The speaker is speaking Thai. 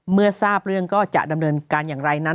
เมื่อทราบเรื่องก็จะดำเนินการอย่างไรนั้น